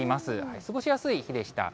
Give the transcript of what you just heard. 過ごしやすい日でした。